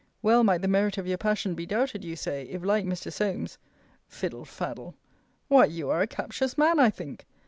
Well might the merit of your passion be doubted, you say, if, like Mr. Solmes fiddle faddle! Why, you are a captious man, I think!